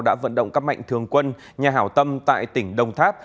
đã vận động các mệnh thường quân nhà hào tâm tại tỉnh đồng tháp